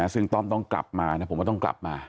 ซึ่งต้อมต้องกลับมาผมก็ต้องกลับมา